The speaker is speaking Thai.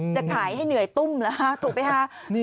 จะขายให้เหนื่อยตุ้มหรือครับถูกไหมครับ